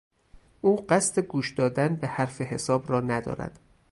او قصد گوش دادن به حرف حساب را ندارد.